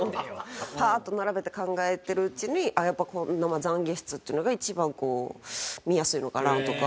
パーッと並べて考えてるうちにやっぱ懺悔室っていうのが一番こう見やすいのかなとか。